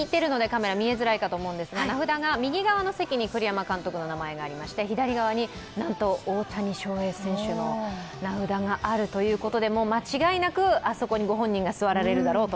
名札が右側の席に栗山監督の名札がありまして左側に、なんと大谷翔平選手の名札があるということで間違いなくあそこにご本人が座られるだろうと。